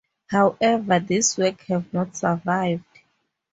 However, these works have not survived.